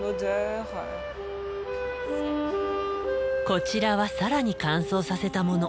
こちらは更に乾燥させたもの。